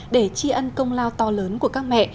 để tri ân công lao to lớn của các mẹ